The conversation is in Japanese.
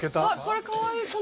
◆これかわいい。